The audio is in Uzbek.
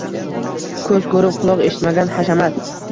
Ko‘z ko‘rib, quloq eshitmagan hashamat